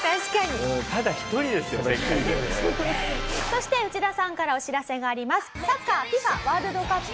そして内田さんからお知らせがあります。